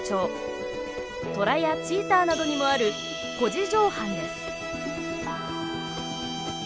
トラやチーターなどにもある虎耳状斑です。